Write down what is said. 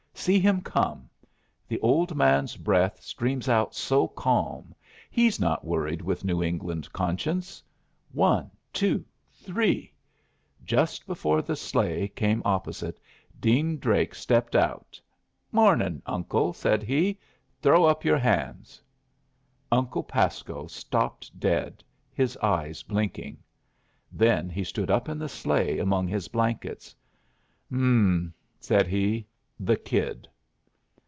See him come! The old man's breath streams out so calm. He's not worried with New England conscience. One, two, three" Just before the sleigh came opposite, Dean Drake stepped out. "Morning, Uncle!" said he. "Throw up your hands!" Uncle Pasco stopped dead, his eyes blinking. Then he stood up in the sleigh among his blankets. "H'm," said he, "the kid."